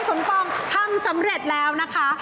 สมปองทำสำเร็จแล้วนะคะ